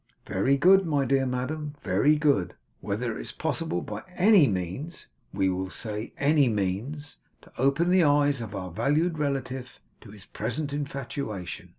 'Very good, my dear madam, very good; whether it is possible by ANY means, we will say by ANY means, to open the eyes of our valued relative to his present infatuation.